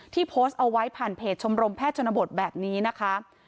โพสต์เอาไว้ผ่านเพจชมรมแพทย์ชนบทแบบนี้นะคะ